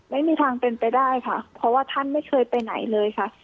ไม่มีทางเป็นไปได้ค่ะเพราะว่าท่านไม่เคยไปไหนเลยค่ะ